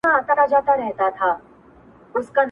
نه له ډوله آواز راغی نه سندره په مرلۍ کي،